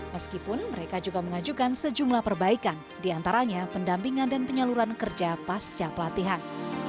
meskipun mereka juga mengajukan sejumlah perbaikan diantaranya pendampingan dan penyaluran kerja pasca pelatihan